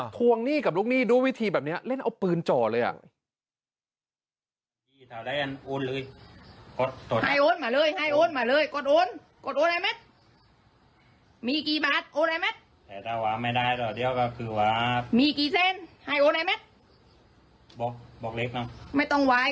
ทวงหนี้กับลูกหนี้ดูวิธีแบบนี้เล่นเอาปืนจ่อเลยอ่ะ